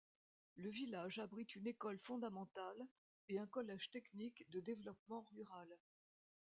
Le village abrite une école fondamentale et un Collège technique de développement rural.